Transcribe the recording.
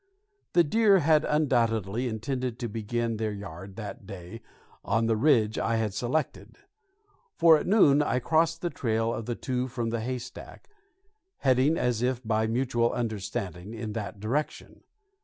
The deer had undoubtedly intended to begin their yard that day on the ridge I had selected; for at noon I crossed the trail of the two from the haystack, heading as if by mutual understanding in that direction.